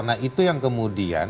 nah itu yang kemudian